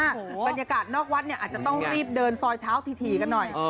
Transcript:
บรรยากาศนอกวัดเนี่ยอาจจะต้องรีบเดินซอยเท้าถี่กันหน่อย